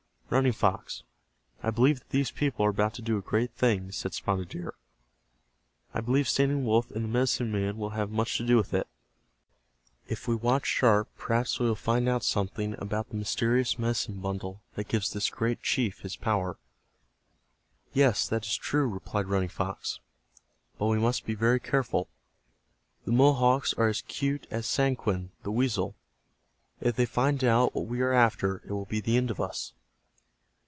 "Running Fox, I believe that these people are about to do a great thing," said Spotted Deer. "I believe Standing Wolf and the medicine men will have much to do with it. If we watch sharp perhaps we will find out something about the mysterious medicine bundle that gives this great chief his power." "Yes, that is true," replied Running Fox. "But we must be very careful. The Mohawks are as cute as Sanquen, the weasel. If they find out what we are after it will be the end of us."